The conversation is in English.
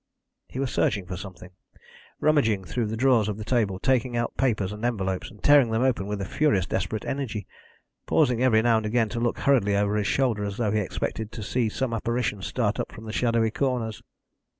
He was searching for something rummaging through the drawers of the table, taking out papers and envelopes, and tearing them open with a furious desperate energy, pausing every now and again to look hurriedly over his shoulder, as though he expected to see some apparition start up from the shadowy corners.